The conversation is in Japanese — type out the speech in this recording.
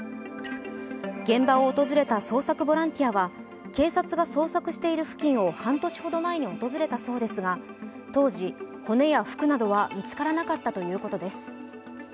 現場を訪れた捜索ボランティアは警察が捜索している付近を半年ほど前に訪れたそうですが当時、骨や服などは見つからなかったということです。